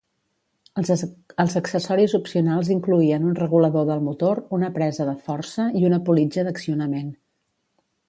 Els accessoris opcionals incloïen un regulador del motor, una presa de força i una politja d'accionament.